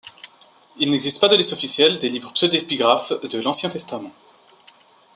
Il n'existe pas de liste officielle des livres pseudépigraphes de l'Ancien Testament.